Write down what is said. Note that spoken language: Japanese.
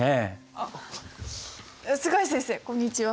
あっ須貝先生こんにちは。